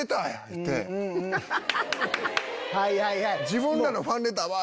自分らのファンレターば！